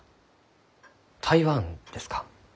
台湾ですか？